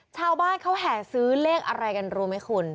ชาวบ้านเขาแห่ซื้อเลขอะไรกันรู้ไหมคุณ